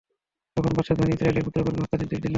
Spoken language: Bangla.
তখন বাদশাহ বনী ইসরাঈলের পুত্রগণকে হত্যার নির্দেশ দিল।